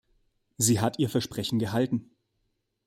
Sie hat ihr Versprechen gehalten.